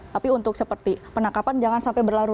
tapi untuk seperti penangkapan jangan sampai berlarut